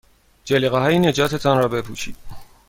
جلیقههای نجات تان را بپوشید.